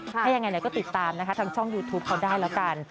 ถ้ายังไงก็ติดตามนะคะทางช่องยูทูปเขาได้แล้วกัน